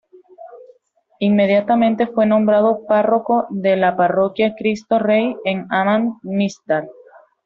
Inmediatamente fue nombrado párroco de la parroquia Cristo Rey en Amman-Misdar.